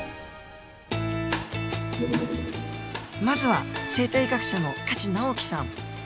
まずは生態学者の可知直毅さん。